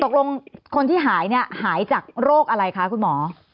คนที่หายเนี่ยหายจากโรคอะไรคะคุณหมอ